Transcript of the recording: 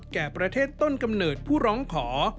แก่ประเทศต้นกำเนิดผู้ร้องขอ